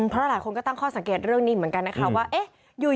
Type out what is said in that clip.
เพราะหลายคนก็ตั้งข้อสังเกตเรื่องนี้เหมือนกันนะคะว่าเอ๊ะ